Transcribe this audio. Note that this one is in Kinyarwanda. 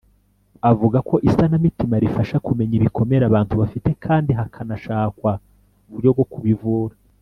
avuga ko isanamitima rifasha kumenya ibikomere abantu bafite kandi hakanashakwa uburyo bwo kubivura